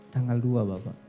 tanggal dua bapak